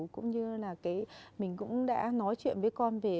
cũng như là mình cũng đã nói chuyện với con về